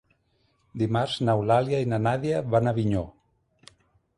Dimarts n'Eulàlia i na Nàdia van a Avinyó.